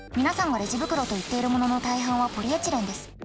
皆さんがレジ袋といっているものの大半はポリエチレンです。